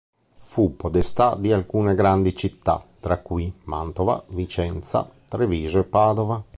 Fu podestà di alcune grandi città tra cui Mantova, Vicenza, Treviso e Padova.